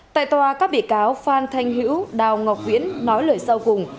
tại tòa các bị cáo phan thanh hữu đào ngọc viễn nói lời sau cùng